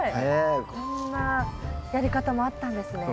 こんなやり方もあったんですね。